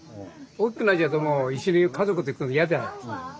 大きくなっちゃうともう一緒に家族と行くの嫌じゃないですか。